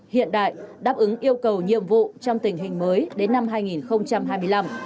hiện đại đáp ứng yêu cầu nhiệm vụ trong tình hình mới đến năm hai nghìn hai mươi năm